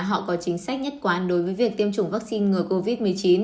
họ có chính sách nhất quán đối với việc tiêm chủng vaccine ngừa covid một mươi chín